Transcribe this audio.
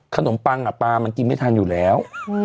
ปังปลามันกินไม่ทันอยู่แล้ว